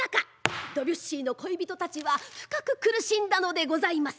ドビュッシーの恋人たちは深く苦しんだのでございます。